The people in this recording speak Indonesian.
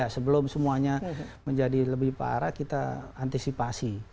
sebelum semuanya menjadi lebih parah kita antisipasi